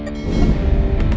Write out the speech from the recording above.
lepas ini ya